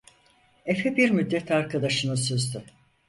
Efe bir müddet arkadaşını süzdü.